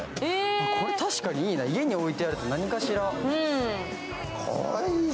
確かにいいな、家に置いてあると何かしら。